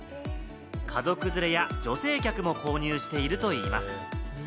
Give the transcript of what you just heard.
家族連れや女性客も購入しているといいます。